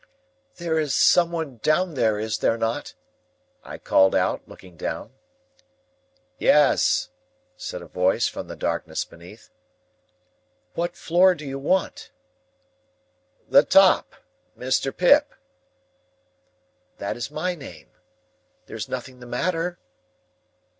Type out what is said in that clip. "There is some one down there, is there not?" I called out, looking down. "Yes," said a voice from the darkness beneath. "What floor do you want?" "The top. Mr. Pip." "That is my name.—There is nothing the matter?"